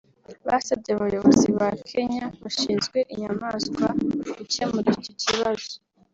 basabye abayobozi ba Kenya bashinzwe inyamaswa gukemura icyo kibazo